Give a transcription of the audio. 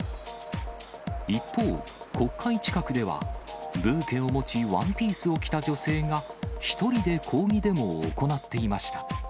一方、国会近くでは、ブーケを持ち、ワンピースを着た女性が、１人で抗議デモを行っていました。